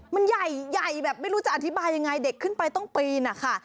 มันใหญ่ใหญ่แบบไม่รู้จะอธิบายยังไงเด็กขึ้นไปต้องปีนนะคะ